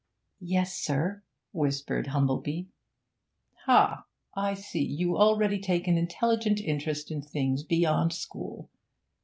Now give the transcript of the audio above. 'Yes, sir,' whispered Humplebee. 'Ha! I see you already take an intelligent interest in things beyond school.